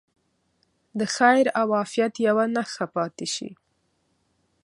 د خیر او عافیت یوه نښه پاتې شي.